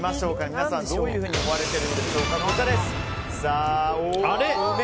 皆さん、どういうふうに思われているでしょうか。